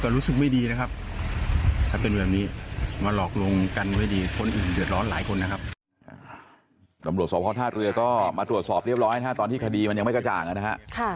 ก็มาตรวจสอบเรียบร้อยนะครับตอนที่คดีมันยังไม่กระจ่างนะครับ